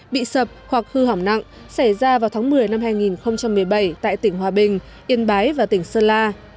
bị sập hoặc hư hỏng nặng xảy ra vào tháng một mươi năm hai nghìn một mươi bảy tại tỉnh hòa bình yên bái và tỉnh sơn la